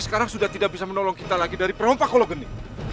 sekarang sudah tidak bisa menolong kita lagi dari perompak hologenik